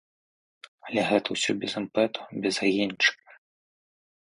Але гэта ўсё без імпэту, без агеньчыка.